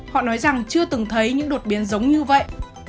họ nói rằng chưa từng thấy những đột biến giống như vậy